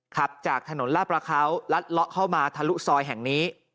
ขับจากถนนลาดประเขาลัดเลาะเข้ามาทะลุซอยแห่งนี้